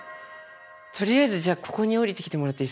とりあえずじゃあここに降りてきてもらっていいっすか。